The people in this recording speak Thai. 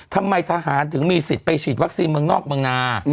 ทำไมทหารถึงมีสิทธิ์ไปฉีดวัคซีนเมืองนอกเมืองนา